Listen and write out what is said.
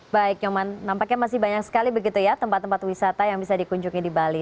baik nyoman nampaknya masih banyak sekali begitu ya tempat tempat wisata yang bisa dikunjungi di bali